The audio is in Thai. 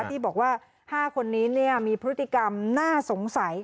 ที่บอกว่า๕คนนี้มีพฤติกรรมน่าสงสัย